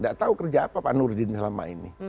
gak tahu kerja apa pak nurudin selama ini